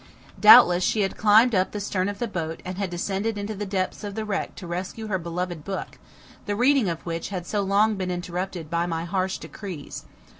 Doubtless she had climbed up the stern of the boat and had descended into the depths of the wreck to rescue her beloved book, the reading of which had so long been interrupted by my harsh decrees.